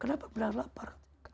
kenapa menahan lapar